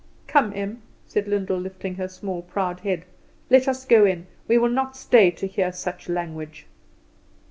"Come, Em," said Lyndall, lifting her small proud head, "let us go in. We will not stay to hear such language."